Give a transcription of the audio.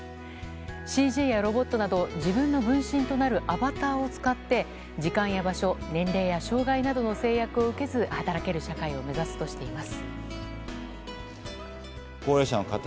ＣＧやロボットなど自分の分身となるアバターを使って時間や場所、年齢や障害などの制約を受けず働ける社会を目指すとしています。